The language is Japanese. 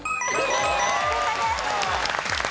正解です。